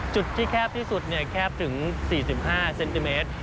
จุดที่แคบที่สุดแคบถึง๔๕เซนติเมตร